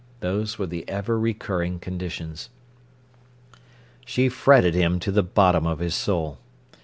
Those were the ever recurring conditions. She fretted him to the bottom of his soul.